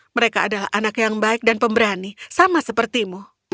mereka adalah anak yang baik dan pemberani sama sepertimu